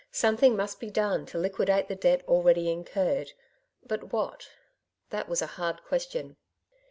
Something must be done to liquidate the debt already incurred — ^but what ? that was a hard question.